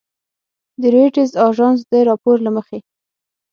د رویټرز اژانس د راپور له مخې